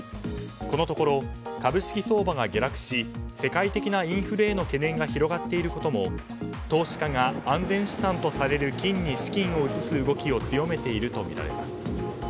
このところ株式相場が下落し世界的なインフレへの懸念が広がっていることも投資家が安全資産とされる金に資金を移す動きを強めているとみられます。